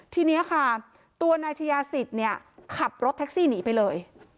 ทีนี้ค่ะตัวนายชายาศิษย์เนี่ยขับรถแท็กซี่หนีไปเลย